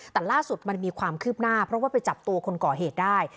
แต่ล่าสุดมันมีความคืบหน้าเพราะว่าไปจับตัวคนก่อเหตุได้